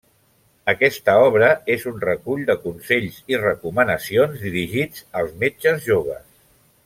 Aquesta obra és un recull de consells i recomanacions dirigits als metges joves.